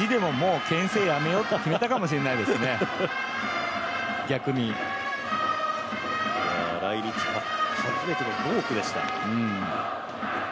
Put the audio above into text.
意地でもけん制やめようってなったかもしれないですね、逆に来日して初めてのボークでした。